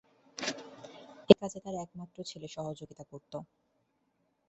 এ কাজে তার একমাত্র ছেলে সহযোগিতা করত।